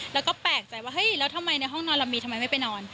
แล้วก็แปลกใจว่าเฮ้ยแล้วทำไมในห้องนอนเรามีทำไมไม่ไปนอน